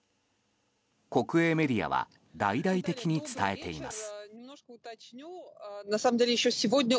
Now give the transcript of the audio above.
国営メディアは大々的に伝えています。